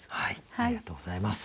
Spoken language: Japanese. ありがとうございます。